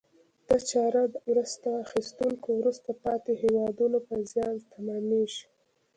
دا چاره د مرسته اخیستونکو وروسته پاتې هېوادونو په زیان تمامیږي.